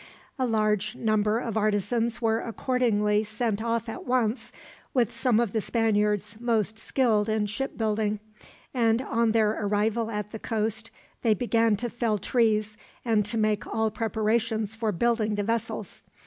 A large number of artisans were accordingly sent off at once, with some of the Spaniards most skilled in ship building; and on their arrival at the coast they began to fell trees, and to make all preparations for building the vessels.